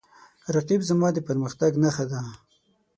رقیب زما د پرمختګ نښه ده